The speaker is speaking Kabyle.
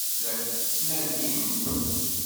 La tent-ttnadint?